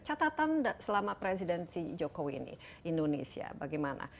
catatan selama presidensi jokowi ini indonesia bagaimana